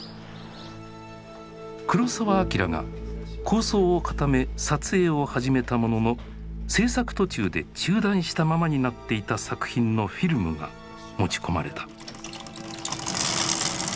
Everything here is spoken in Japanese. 黒澤明が構想を固め撮影を始めたものの製作途中で中断したままになっていた作品のフィルムが持ち込まれた。